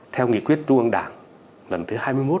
theo nghị quyết trung ương đảng lần thứ hai mươi một